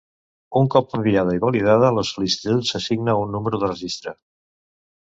Un cop enviada i validada la sol·licitud s'assigna un número de registre.